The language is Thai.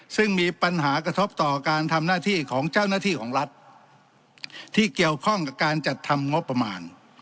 ซึ่งมีปัญหากระทบต่อการทำหน้าที่ของเจ้าหน้าที่ของรัฐที่เกี่ยวข้องกับการจัดทำงบประมาณ